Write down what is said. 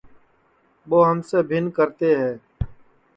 کہ ٻو ہم سے بِھن کرتے ہے